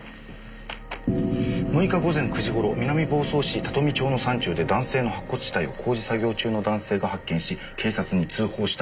「６日午前９時頃南房総市多富町の山中で男性の白骨死体を工事作業中の男性が発見し警察に通報した」